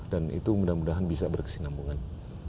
dan itu mudah mudahan bisa berkesinambungan